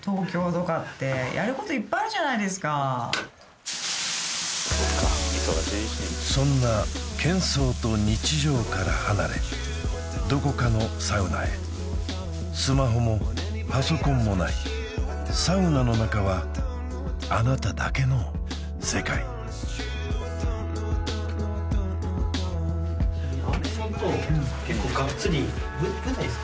やることいっぱいあるじゃないですかそんな喧騒と日常から離れどこかのサウナへスマホもパソコンもないサウナの中はあなただけの世界青木さんと結構ガッツリ舞台ですか？